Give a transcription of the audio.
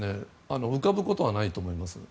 浮かぶことはないと思います。